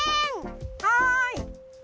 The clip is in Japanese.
はい！